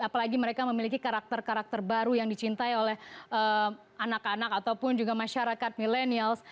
apalagi mereka memiliki karakter karakter baru yang dicintai oleh anak anak ataupun juga masyarakat millennials